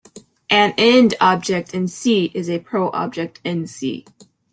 An ind-object in "C" is a pro-object in "C".